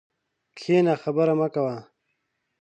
کښېنه خبري مه کوه!